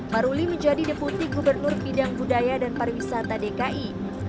maruli menjadi deputi gubernur bidang budaya dan pariwisata dki